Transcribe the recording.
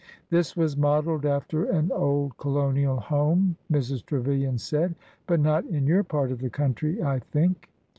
" This was modeled after an old colonial home," Mrs. Trevilian said; "but not in your part of the country, I think."